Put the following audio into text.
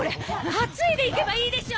担いで行けばいいでしょ！